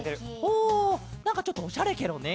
おなんかちょっとおしゃれケロね。